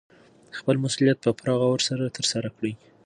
خپل مسوولیت په پوره غور سره ترسره کړئ.